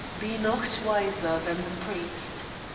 Be nocht Wiser than the Priest.